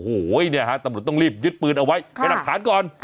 โอ้โหตำรวจต้องรีบยึดปืนเอาไว้ไปนั่งขานก่อน